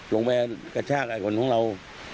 ลงไปกระชากคนของเรา